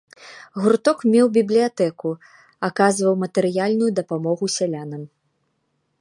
Гурток меў бібліятэку, аказваў матэрыяльную дапамогу сялянам.